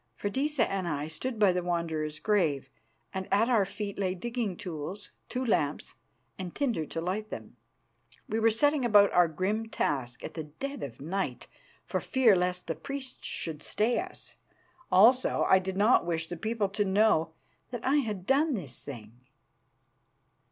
Freydisa and I stood by the Wanderer's grave, and at our feet lay digging tools, two lamps, and tinder to light them. We were setting about our grim task at dead of night, for fear lest the priests should stay us. Also, I did not wish the people to know that I had done this thing.